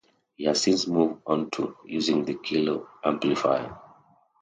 He has since moved onto using the Kilo amplifier.